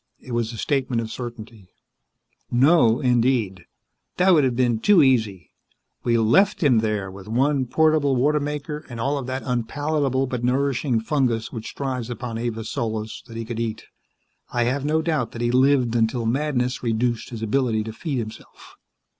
It was a statement of certainty. "No, indeed. That would have been too easy. We left him there with one portable water maker and all of that unpalatable but nourishing fungus which thrives upon Avis Solis that he could eat. I have no doubt that he lived until madness reduced his ability to feed himself."